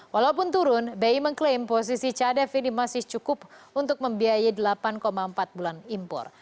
walaupun turun bi mengklaim posisi cadef ini masih cukup untuk membiayai delapan empat bulan impor